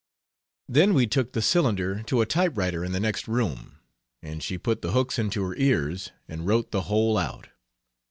Then we took the cylinder to a type writer in the next room, and she put the hooks into her ears and wrote the whole out.